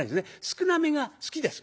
少なめが好きです。